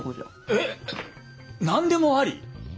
えっ！？何でもあり？